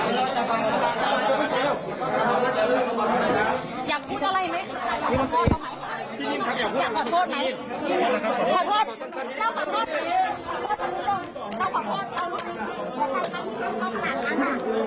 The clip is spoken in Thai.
อยากพูดอะไรไหมอยากขอโทษไหมขอโทษขอโทษขอโทษขอโทษ